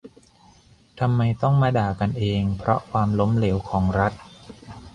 "ทำไมต้องมาด่ากันเองเพราะความล้มเหลวของรัฐ"